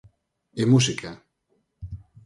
E música.